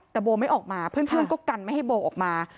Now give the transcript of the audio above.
แต่โบไม่ออกมาเพื่อนก็กันไม่ให้โบออกมา